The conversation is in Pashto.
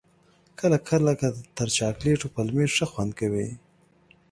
کله کله تر چاکلېټو پلمېټ ښه خوند کوي.